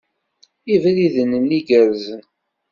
Ibriden-nni gerrzen.